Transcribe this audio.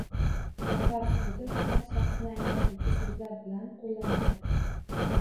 Nafar soʻzi faqat shaxsni anglatuvchi soʻzlar bilan qoʻllanadi